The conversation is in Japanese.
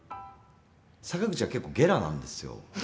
坂口が結構ゲラなんですよ。